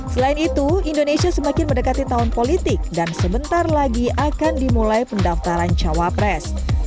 selain itu indonesia semakin mendekati tahun politik dan sebentar lagi akan dimulai pendaftaran cawapres